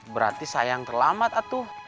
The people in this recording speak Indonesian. berarti sayang terlambat atuh